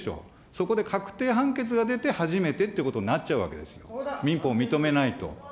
そこで確定判決が出て、初めてっていうことになっちゃうわけですよ、民法を認めないと。